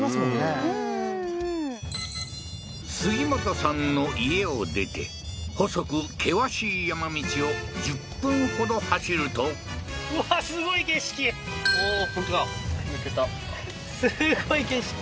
うんうんうん杉本さんの家を出て細く険しい山道を１０分ほど走るとおおー本当だ抜けたすごい景色